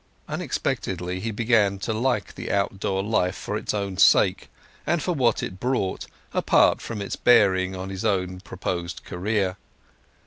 Unexpectedly he began to like the outdoor life for its own sake, and for what it brought, apart from its bearing on his own proposed career.